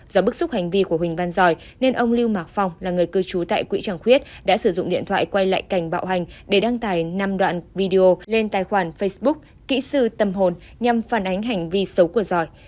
do bức xúc hành vi của huỳnh văn giỏi nên ông lưu mạc phong là người cư trú tại quỹ tràng khuyết đã sử dụng điện thoại quay lại cảnh bạo hành để đăng tải năm đoạn video lên tài khoản facebook kỹ sư tâm hồn nhằm phản ánh hành vi xấu của giỏi